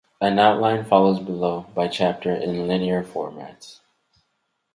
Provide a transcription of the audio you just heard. An outline follows below, by Chapter, in linear format.